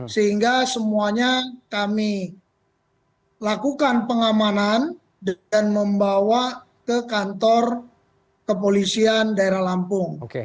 sehingga semuanya kami lakukan pengamanan dan membawa ke kantor kepolisian daerah lampung